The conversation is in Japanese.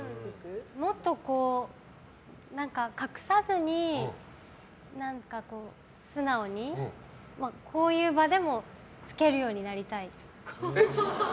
もっと隠さずに素直にこういう場でもつけるようになりたい。